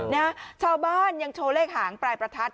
นะชาวบ้านยังโชว์เลขหางปลายประทัด